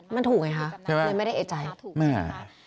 มันถูกไงคะเลยไม่ได้เอเจ้